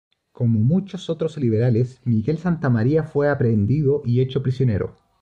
Como muchos otros liberales, Miguel Santa María fue aprehendido y hecho prisionero.